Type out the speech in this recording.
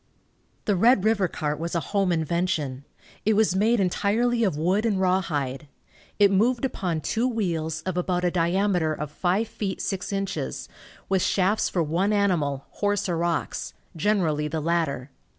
The Red river cart was a home invention. It was made entirely of wood and rawhide. It moved upon two wheels, of about a diameter of five feet six inches, with shafts for one animal, horse or ox, generally the latter.